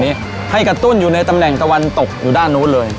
นี้ให้กระตุ้นอยู่ในตำแหน่งตะวันตกอยู่ด้านนู้นเลย